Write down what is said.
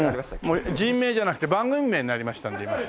もう人名じゃなくて番組名になりましたので今。